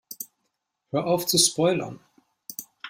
Hör auf zu spoilern!